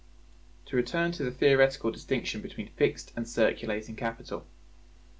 To return to the theoretical distinction between fixed and circulating capital.